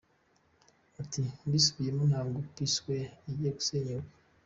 Ati “Mbisubiyemo ntabwo P-Square igiye gusenyuka.